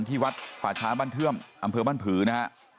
ที่วัดฝาชาม่านเธริมอำเภอบ้านผื่น